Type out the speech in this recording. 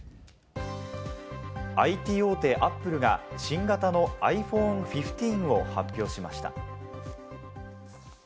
ＩＴ大手・Ａｐｐｌｅが新型のｉＰｈｏｎｅ１５を発表しました。